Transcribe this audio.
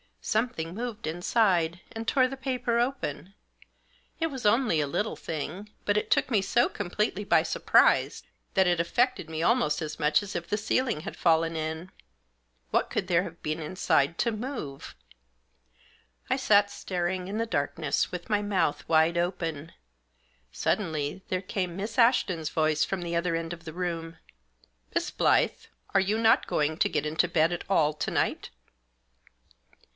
Something moved inside, and tore the paper open. It was only a little thing, but it took me so completely by surprise that it affected me almost as much as if the ceiling had fallen in. What could there have been inside to move ? I sat staring, in the darkness, with my mouth wide open. Suddenly there came Miss Ashton's voice from the other end of the room. " Miss Blyth, are you not going to get into bed at all to night?"